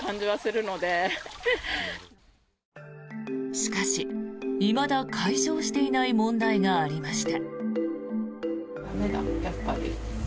しかしいまだ解消していない問題がありました。